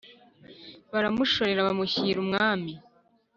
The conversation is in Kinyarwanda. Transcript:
baramushorera bamushyira umwami,